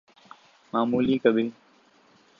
معمول کبھی ‘‘۔